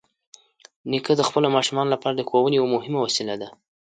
نیکه د خپلو ماشومانو لپاره د ښوونې یوه مهمه وسیله ده.